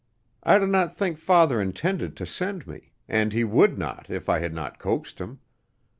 I do not think father intended to send me, and he would not if I had not coaxed him.